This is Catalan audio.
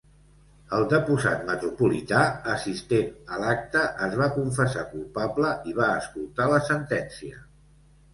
El deposat metropolità, assistent a l'acte, es va confessar culpable, i va escoltar la sentència.